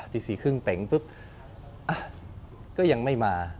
ตี๔๓๐เป๋งปุ๊บก็ยังไม่มา